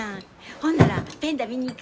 ほんならペン太見に行く？